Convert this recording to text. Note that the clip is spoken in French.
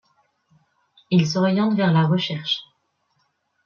Il s'oriente vers la recherche.